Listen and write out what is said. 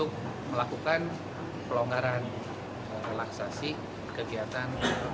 untuk melakukan pelonggaran relaksasi kegiatan